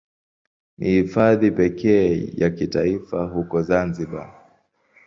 Ni Hifadhi pekee ya kitaifa huko Zanzibar.